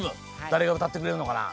だれがうたってくれるのかな？